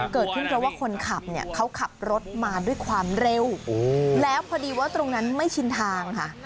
เกิดขึ้นเพราะว่าคนขับเนี่ยเขาขับรถมาด้วยความเร็วแล้วพอดีว่าตรงนั้นไม่ชินทางค่ะ